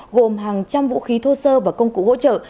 vụ bắt giữ được một lô hàng gồm hàng trăm vũ khí thô sơ và công cụ hỗ trợ